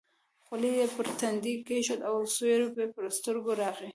خولۍ یې پر تندي کېښوده او سیوری یې پر سترګو راغی.